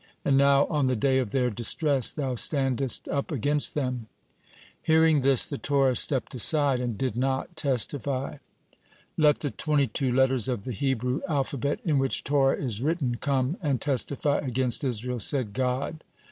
And now, on the day of their distress, thou standest up against them?" Hearing this, the Torah stepped aside, and did not testify. "Let the twenty two letters of the Hebrew alphabet in which Torah is written come and testify against Israel," said God.